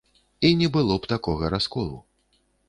І не было б такога расколу.